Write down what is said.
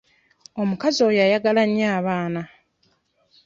Omukazi oyo ayagala nnyo abaana.